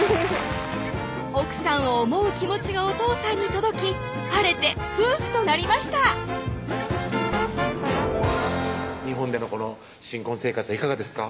奥さんを思う気持ちがおとうさんに届き晴れて夫婦となりました日本でのこの新婚生活はいかがですか？